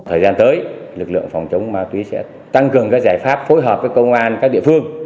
thời gian tới lực lượng phòng chống ma túy sẽ tăng cường các giải pháp phối hợp với công an các địa phương